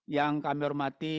yang kami hormati